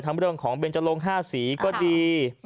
เรื่องของเบนจรง๕สีก็ดี